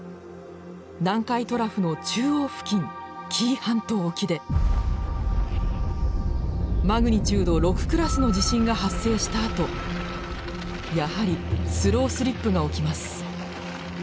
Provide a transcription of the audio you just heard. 南海トラフの中央付近紀伊半島沖でマグニチュード６クラスの地震が発生したあとやはりスロースリップが起きます。